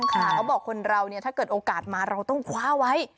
เขาบอกคนเราเนี่ยถ้าเกิดโอกาสมาเราต้องคว้าไว้